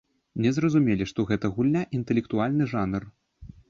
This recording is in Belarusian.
Не зразумелі, што гэта гульня, інтэлектуальны жанр.